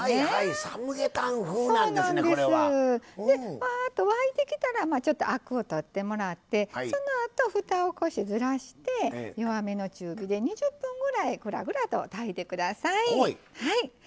でワーッと沸いてきたらちょっとアクを取ってもらってそのあとふたをこうしてずらして弱めの中火で２０分ぐらいぐらぐらと炊いて下さい。